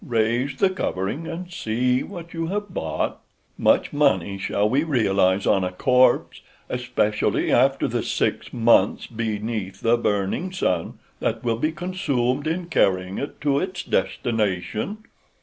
"Raise the covering and see what you have bought. Much money shall we realize on a corpse—especially after the six months beneath the burning sun that will be consumed in carrying it to its destination!"